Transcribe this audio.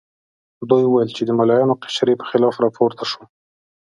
دوی وویل چې د ملایانو قشر یې په خلاف راپورته شو.